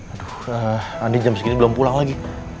aduh nanti jam segini belum pulang lagi